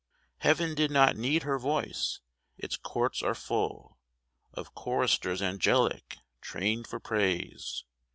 Heaven did not need her voice ; its courts are full Of choristers angelic trained for praise.